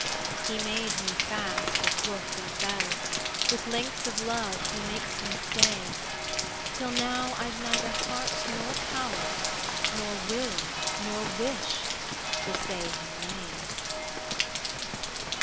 He made me fast with book and bell, With links of love he makes me stay; Till now I've neither heart nor power Nor will nor wish to say him nay.